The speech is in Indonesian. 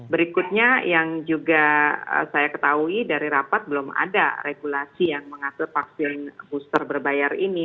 berikutnya yang juga saya ketahui dari rapat belum ada regulasi yang mengatur vaksin booster berbayar ini